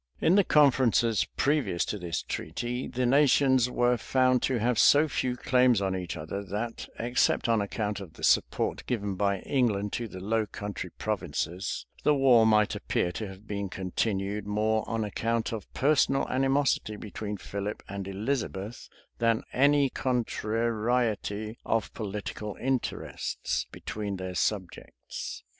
[] In the conferences previous to this treaty, the nations were found to have so few claims on each other, that, except on account of the support given by England to the Low Country provinces, the war might appear to have been continued more on account of personal animosity between Philip and Elizabeth, than any contrariety of political interests between their subjects.